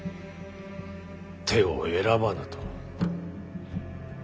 手を選ばぬと。